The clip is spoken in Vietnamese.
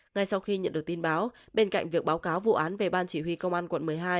ngay sau khi nhận được tin báo bên cạnh việc báo cáo vụ án về ban chỉ huy công an quận một mươi hai